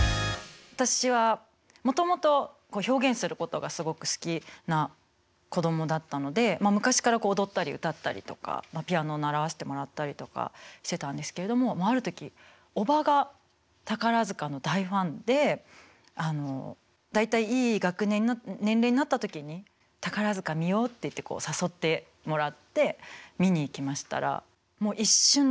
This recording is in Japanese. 私はもともと表現することがすごく好きな子供だったので昔から踊ったり歌ったりとかピアノ習わせてもらったりとかしてたんですけれどもある時おばが宝塚の大ファンで大体いい年齢になった時に「宝塚見よう」っていってこう誘ってもらって見に行きましたらもう一瞬でとりこになりました。